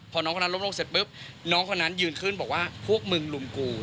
พอน้องคนนั้นล้มลงเสร็จปุ๊บน้องคนนั้นยืนขึ้นบอกว่าพวกมึงลุมกู